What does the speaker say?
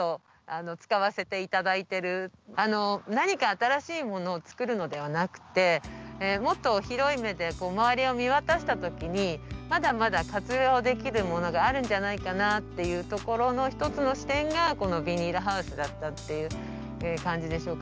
何か新しいものを作るのではなくてもっと広い目で周りを見渡した時にまだまだ活用できるものがあるんじゃないかなっていうところの一つの視点がこのビニールハウスだったっていう感じでしょうかね。